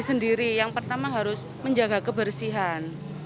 cont vnd inspirasi mendatang boneka untuk mengngasihkan marah yakult zably untuk ke inggrisoleh